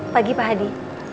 pagi pak hadi